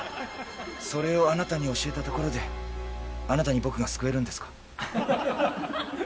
それをあなたに教えたところであなたに僕が救えるんですか？